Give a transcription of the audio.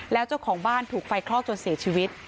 แล้วเจ้าของบ้านถูกไฟคลอกจนเสียชีวิต